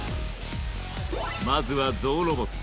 まずはゾウロボット。